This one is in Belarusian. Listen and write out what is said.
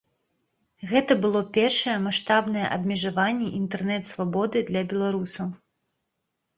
Гэта было першае маштабнае абмежаванне інтэрнэт-свабоды для беларусаў.